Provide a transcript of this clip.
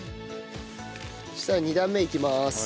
３段目いきます。